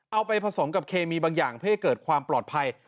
เอาไปผสมกับเคมีบางอย่างเพื่อให้เกิดความปลอดภัย